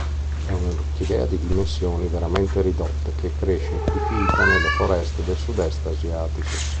È un'orchidea di dimensioni veramente ridotte che cresce epifita nelle foreste del sud-est asiatico.